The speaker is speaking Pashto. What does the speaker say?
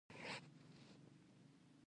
شاعرۍ په خلکو کې زغم پیدا کاوه.